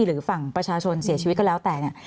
หรือฝั่งประชาชนเสียชีวิตก็แล้วแต่เนี่ย